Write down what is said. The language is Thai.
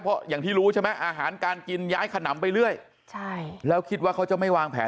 เพราะอย่างที่รู้ใช่ไหมอาหารการกินย้ายขนำไปเรื่อยใช่แล้วคิดว่าเขาจะไม่วางแผน